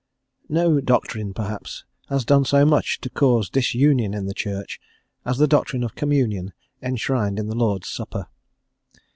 NO doctrine, perhaps, has done so much to cause disunion in the Church as the doctrine of Communion enshrined in the Lord's Supper.